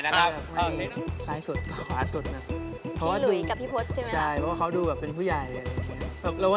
นิดนึงค่ะ